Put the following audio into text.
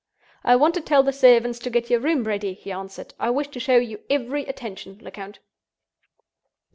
"I want to tell the servants to get your room ready," he answered. "I wish to show you every attention, Lecount."